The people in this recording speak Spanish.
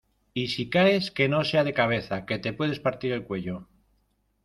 y si caes, que no sea de cabeza , que te puedes partir el cuello.